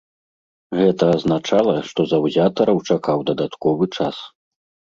Гэта азначала, што заўзятараў чакаў дадатковы час.